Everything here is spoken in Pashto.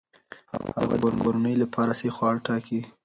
هغه د کورنۍ لپاره صحي خواړه ټاکي.